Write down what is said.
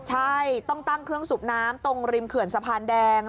ใช่ต้องตั้งเครื่องสูบน้ำตรงริมเขื่อนสะพานแดง